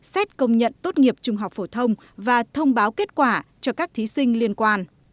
xét công nhận tốt nghiệp trung học phổ thông và thông báo kết quả cho các thí sinh liên quan